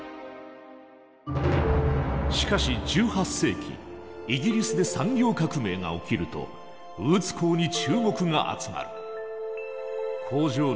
しかし１８世紀イギリスで産業革命が起きるとウーツ鋼に注目が集まる。